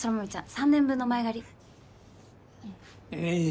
３年分の前借りいや